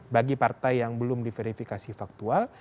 bagi partai yang belum di verifikasi faktual